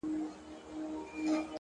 علم د انسان لارښود دی!.